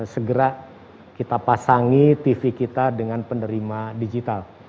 segera kita pasangi tv kita dengan penerima digital